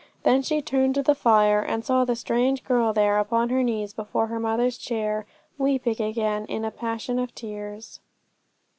Then she turned to the fire, and saw the strange girl there upon her knees before her mother's chair, weeping again in a passion of tears.